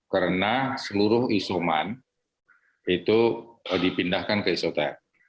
karena seluruh isoman itu dipindahkan ke isoter